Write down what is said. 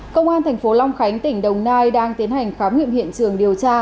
công an thành phố long khánh tỉnh đồng nai đang tiến hành khám nghiệm hiện trường điều tra